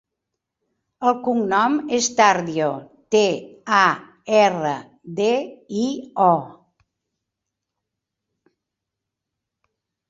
El cognom és Tardio: te, a, erra, de, i, o.